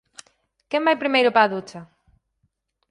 Quen vai primeiro para a ducha?